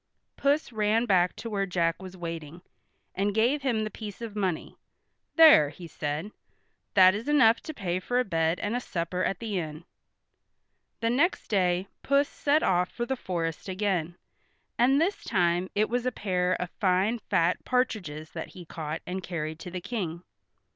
Puss ran back to where Jack was waiting, and gave him the piece of money. "There," he said. "That is enough to pay for a bed and a supper at the inn." The next day Puss set off for the forest again, and this time it was a pair of fine fat partridges that he caught and carried to the King.